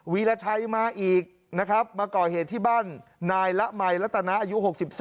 วีรชัยมาอีกนะครับมาก่อเหตุที่บ้านนายละมัยรัตนาอายุ๖๓